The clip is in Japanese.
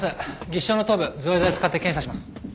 技師長の頭部造影剤を使って検査します。